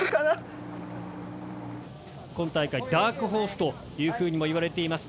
今大会ダークホースというふうにも言われています